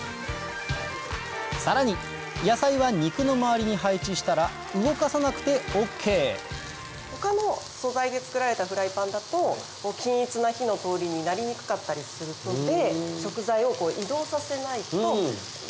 さらに野菜は肉の周りに配置したら動かさなくてＯＫ他の素材で作られたフライパンだと均一な火の通りになりにくかったりするので。